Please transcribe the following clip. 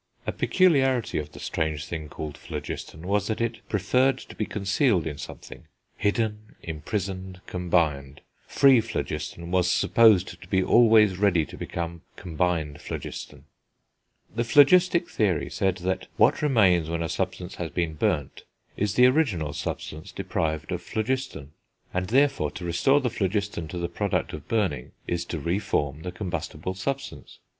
A peculiarity of the strange thing called phlogiston was that it preferred to be concealed in something, hidden, imprisoned, combined; free phlogiston* was supposed to be always ready to become combined phlogiston. *Transcriber's Note: Original "phlogstion". The phlogistic theory said that what remains when a substance has been burnt is the original substance deprived of phlogiston; and, therefore, to restore the phlogiston to the product of burning is to re form the combustible substance.